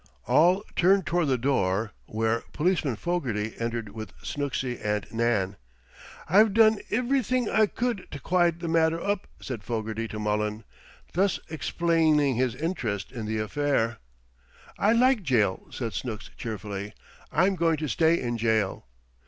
All turned toward the door, where Policeman Fogarty entered with Snooksy and Nan. "I've done ivrything I cud t' quiet th' matter up," said Fogarty to Mullen, thus explaining his interest in the affair. "I like jail," said Snooks cheerfully. "I'm going to stay in jail."